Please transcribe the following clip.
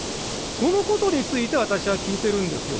そのことについて、私は聞いているんですよ。